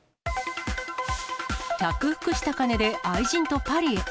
着服した金で愛人とパリへ。